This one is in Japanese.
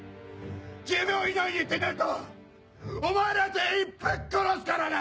１０秒以内に出ねえとお前ら全員ぶっ殺すからな！